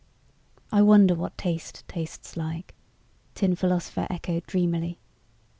"I wonder what taste tastes like," Tin Philosopher echoed dreamily.